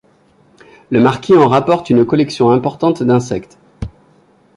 Le marquis en rapporte une collection importante d'insectes.